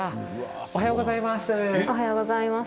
おはようございます。